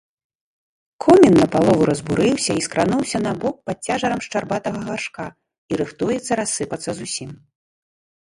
Комін напалову разбурыўся і скрануўся набок пад цяжарам шчарбатага гаршка і рыхтуецца рассыпацца зусім.